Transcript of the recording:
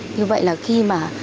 như vậy là khi mà